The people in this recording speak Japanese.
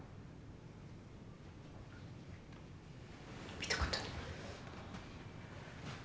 見たことない。